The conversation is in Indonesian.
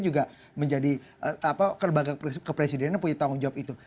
juga menjadi kerbaga kepresidenan yang punya tanggung jawab itu